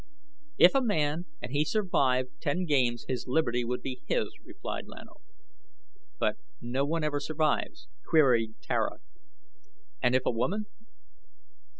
"If a man, and he survived ten games his liberty would be his," replied Lan O. "But none ever survives?" queried Tara. "And if a woman?"